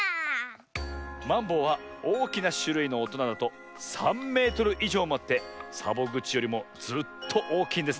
マンボウはおおきなしゅるいのおとなだと３メートルいじょうもあってサボぐちよりもずっとおおきいんですねえ。